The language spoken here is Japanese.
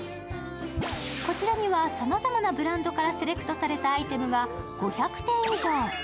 こちらにはさまざまなブランドからセレクトされたアイテムが５００点以上。